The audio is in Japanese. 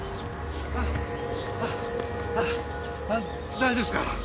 大丈夫すか？